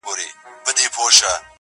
د مرگي راتلو ته، بې حده زیار باسه~